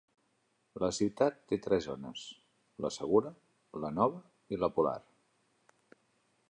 La ciutat té tres zones: la segura, la nova i la polar.